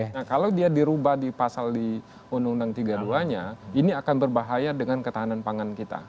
nah kalau dia dirubah di pasal di undang undang tiga puluh dua nya ini akan berbahaya dengan ketahanan pangan kita